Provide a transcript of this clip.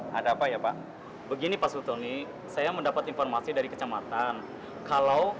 hai ada apa ya pak begini pasutoni saya mendapat informasi dari kecamatan kalau